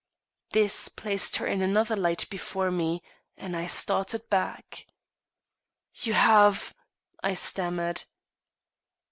This placed her in another light before me, and I started back. "You have " I stammered.